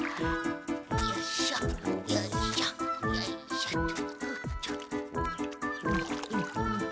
よいしょよいしょよいしょっと。